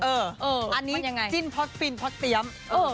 เออเอออันนี้จิ้นเพราะฟินเพราะเพรี้ยมเออ